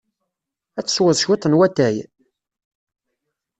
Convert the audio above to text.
Ad tesweḍ cwiṭ n watay?